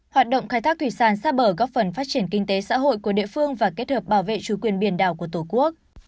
hoạt động khai thác thủy sản xa bờ góp phần phát triển kinh tế xã hội của địa phương và kết hợp bảo vệ chủ quyền biển đảo của tổ quốc